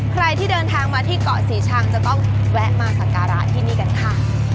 ใครที่เดินทางมาที่เกาะศรีชังจะต้องแวะมาสักการะที่นี่กันค่ะ